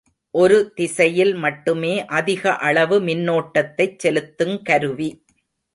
ஒரு திசையில் மட்டுமே அதிக அளவு மின்னோட்டத்தைச் செலுத்துங் கருவி.